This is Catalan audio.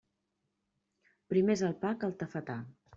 Primer és el pa que el tafetà.